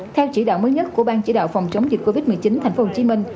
theo chỉ đạo mới nhất của ban chỉ đạo phòng chống dịch covid một mươi chín thành phố hồ chí minh